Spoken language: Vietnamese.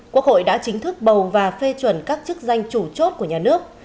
quốc hội đã chính thức bầu và phê chuẩn các chức danh chủ chốt của nhà nước